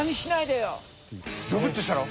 ゾクッとしたろ？